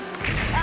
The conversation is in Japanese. あ！